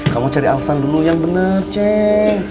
kamu cari alasan dulu yang bener ceng